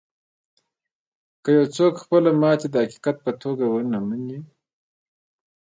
که يو څوک خپله ماتې د حقيقت په توګه و نه مني.